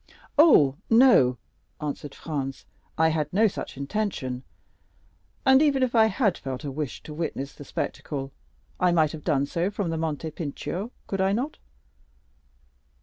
"Oh, no," answered Franz, "I had no such intention; and even if I had felt a wish to witness the spectacle, I might have done so from Monte Pincio; could I not?"